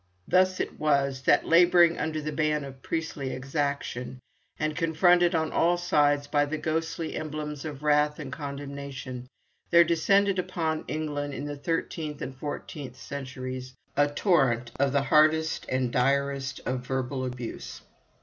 Thus it was that, labouring under the ban of priestly exaction, and confronted on all sides by the ghostly emblems of wrath and condemnation, there descended upon England in the thirteenth and fourteenth centuries, a torrent of the hardest and direst of verbal abuse.